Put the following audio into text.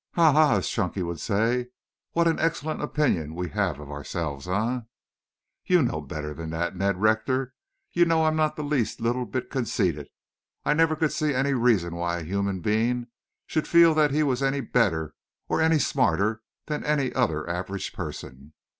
"Ha, ha! as Chunky would say. What an excellent opinion we have of ourselves, eh?" "You know better than that, Ned Rector. You know I'm not the least little bit conceited. I never could see any reason why a human being should feel that he was any better or any smarter than any other average person.